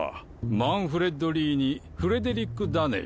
マンフレッド・リーにフレデリック・ダネイ。